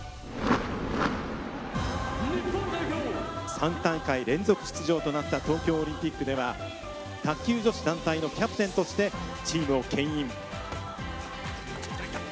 ３大会連続出場となった東京オリンピックでは卓球女子団体のキャプテンとしてチームをけん引。